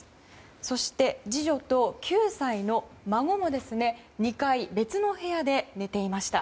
そして、次女と９歳の孫も２階の別の部屋で寝ていました。